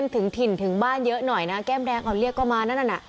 ถึงถิ่นถึงบ้านเยอะหน่อยนะแก้มแดงเอาเรียกก็มานั่นน่ะ